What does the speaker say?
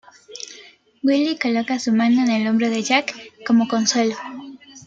Willie coloca su mano en el hombro de Jack como consuelo.